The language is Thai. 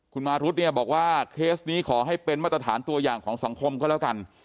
คุณมารุธเนี่ยบอกว่าเคสนี้ขอให้เป็นมาตรฐานตัวอย่างของสังคมก็แล้วกัน